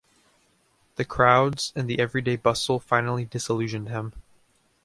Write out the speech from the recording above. The crowds and the everyday bustle finally disillusioned him.